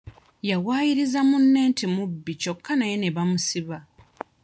Yawaayiriza munne nti mubbi kyokka naye ne bamusiba.